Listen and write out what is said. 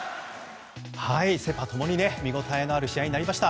セ・パともに見応えのある試合になりました。